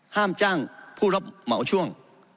ห้ามจ้างผู้รับเหมาช่วง